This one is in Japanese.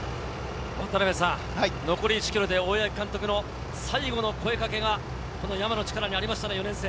残り１ｋｍで大八木監督の最後の声かけが山野力にありましたね。